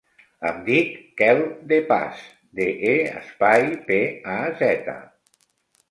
Em dic Quel De Paz: de, e, espai, pe, a, zeta.